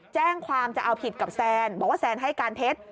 แจ้งความจะเอาผิดกับแซนบอกว่าแซนให้การเท็จ